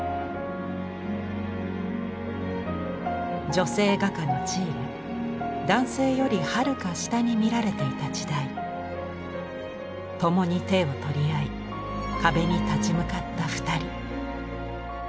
女性画家の地位が男性よりはるか下に見られていた時代共に手を取り合い壁に立ち向かった２人。